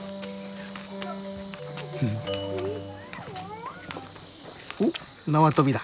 ふふ。おっ縄跳びだ。